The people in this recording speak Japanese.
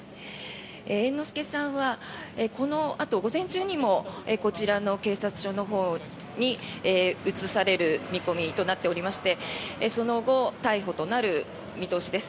猿之助さんはこのあと午前中にもこちらの警察署のほうに移される見込みとなっておりましてその後、逮捕となる見通しです。